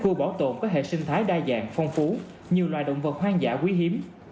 khu bảo tồn có hệ sinh thái đa dạng phong phú nhiều loài động vật hoang dã quý hiếm